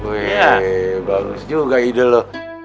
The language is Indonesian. wih bagus juga ide loh